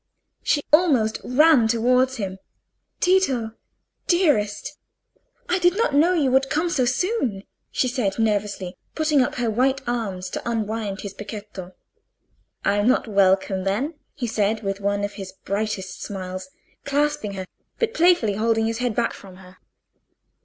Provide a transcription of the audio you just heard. She almost ran towards him. "Tito, dearest, I did not know you would come so soon," she said, nervously, putting up her white arms to unwind his becchetto. "I am not welcome then?" he said, with one of his brightest smiles, clasping her, but playfully holding his head back from her.